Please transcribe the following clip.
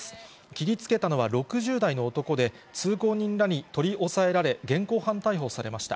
切りつけたのは６０代の男で、通行人らに取り押さえられ、現行犯逮捕されました。